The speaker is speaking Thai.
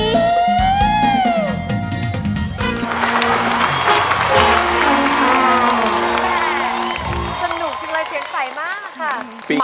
สนุกจังเลยเสียงใสมากค่ะ